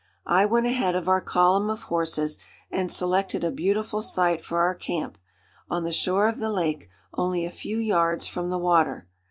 I went ahead of our column of horses and selected a beautiful site for our camp, on the shore of the lake, only a few yards from the water.